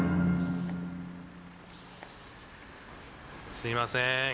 すいません。